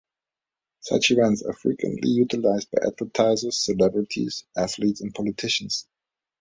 Such events are frequently utilized by advertisers, celebrities, athletes, and politicians.